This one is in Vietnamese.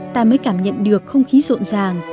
ta mới cảm nhận được không khí rộn ràng